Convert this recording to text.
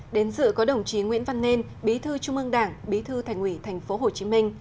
đến dự có đồng chí nguyễn văn nên bí thư trung ương đảng bí thư thành ủy tp hcm